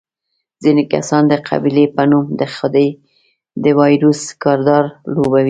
ځینې کسان د قبیلې په نوم د خدۍ د وایروس کردار لوبوي.